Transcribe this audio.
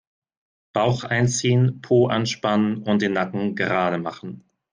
Bauch einziehen, Po anspannen und den Nacken gerade machen.